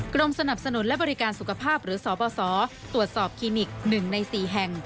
กรมสนับสนุนและบริการสุขภาพหรือสปสตรวจสอบคลินิก๑ใน๔แห่ง